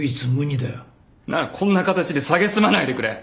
ならこんな形で蔑まないでくれ。